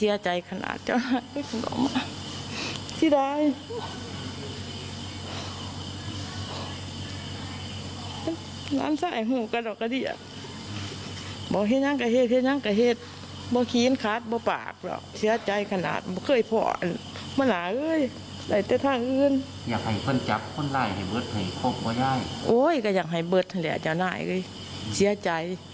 อยากให้เบิร์ดแถวนี้อาจจะน่ายเลยเสียใจ